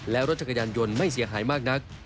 และรถจักรยานยนต์ไม่เสียหายมากนัก